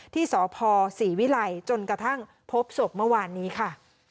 ที่สพศรีวิลัยจนกระทั่งพบศพเมื่อวานนี้ค่ะ